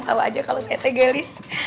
tau aja kalau saya tegelis